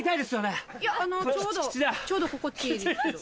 ちょうど心地いいですけど。